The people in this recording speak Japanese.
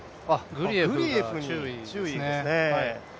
グリエフに注意ですね。